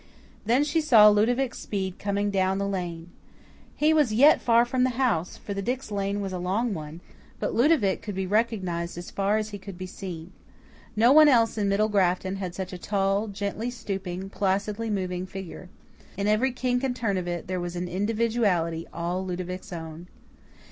Then she saw Ludovic Speed coming down the lane. He was yet far from the house, for the Dix lane was a long one, but Ludovic could be recognized as far as he could be seen. No one else in Middle Grafton had such a tall, gently stooping, placidly moving figure. In every kink and turn of it there was an individuality all Ludovic's own.